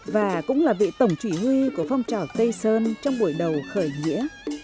và cũng là vị tổng chủy của phong trào tây sơn trong buổi đầu khởi nghĩa